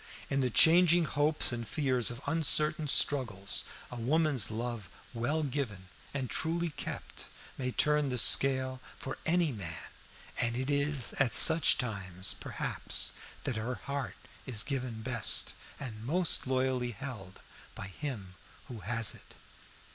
In the changing hopes and fears of uncertain struggles, a woman's love well given and truly kept may turn the scale for a man, and it is at such times, perhaps, that her heart is given best, and most loyally held by him who has it.